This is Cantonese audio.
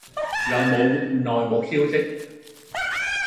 有冇內幕消息